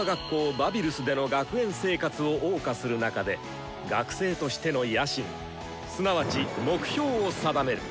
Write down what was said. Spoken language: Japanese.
バビルスでの学園生活をおう歌する中で学生としての野心すなわち目標を定める。